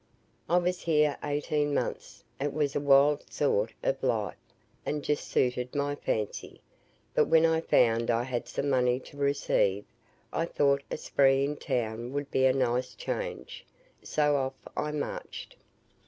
"I was here eighteen months it was a wild sort of life, and just suited my fancy; but when I found I had some money to receive, I thought a spree in town would be a nice change, so off I marched.